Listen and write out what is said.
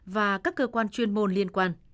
và các cơ quan chuyên nghiệp